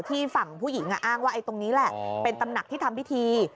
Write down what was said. ฝั่งผู้หญิงอ้างว่าตรงนี้แหละเป็นตำหนักที่ทำพิธี